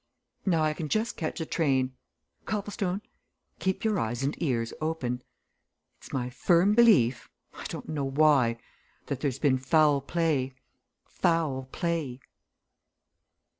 Now I can just catch a train. Copplestone! keep your eyes and ears open. It's my firm belief I don't know why that there's been foul play. Foul play!"